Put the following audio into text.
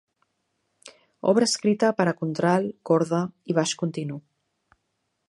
Obra escrita per a contralt, corda i baix continu.